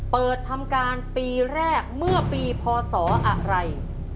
เปิดทำการปีแรกเมื่อปีพศอะไร